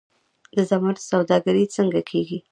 د زمرد سوداګري څنګه کیږي؟